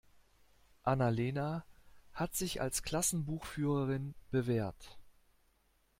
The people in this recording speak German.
Anna-Lena hat sich als Klassenbuchführerin bewährt.